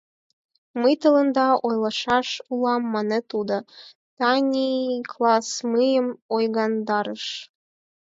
— Мый тыланда ойлышаш улам, — мане тудо: — тений класс мыйым ойгаҥдарыш.